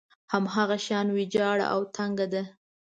هماغه شان ويجاړه او تنګه ده.